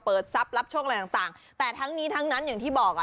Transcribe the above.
เปิดทรัพย์รับโชคอะไรต่างแต่ทั้งนี้ทั้งนั้นอย่างที่บอก